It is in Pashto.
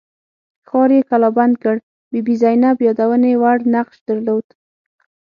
ښار یې کلابند کړ بي بي زینب یادونې وړ نقش درلود.